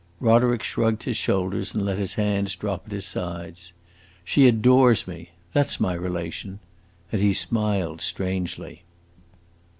Roderick shrugged his shoulders and let his hands drop at his sides. "She adores me! That 's my relation." And he smiled strangely.